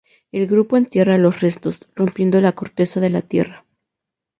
El grupo entierra los restos, rompiendo la corteza de la tierra.